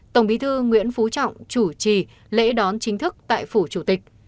tổng bí thư nguyễn phú trọng chủ trì lễ đón chính thức tại phủ chủ tịch